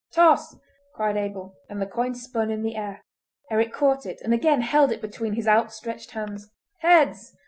"Toss!" cried Abel, and the coin spun in the air. Eric caught it, and again held it between his outstretched hands. "Heads!"